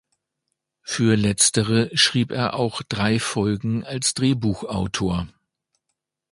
Für Letztere schrieb er auch drei Folgen als Drehbuchautor.